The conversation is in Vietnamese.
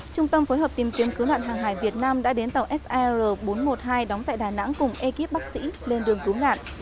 trung tâm phối hợp tìm kiếm cứu nạn hàng hải việt nam đã đến tàu sir bốn trăm một mươi hai đóng tại đà nẵng cùng ekip bác sĩ lên đường cứu nạn